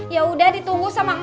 ya udah ditunggu sama